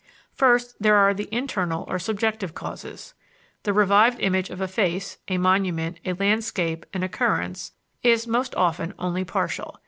First, there are the internal or subjective causes. The revived image of a face, a monument, a landscape, an occurrence, is, most often, only partial.